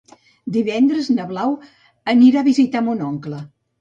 Divendres na Blau anirà a visitar mon oncle.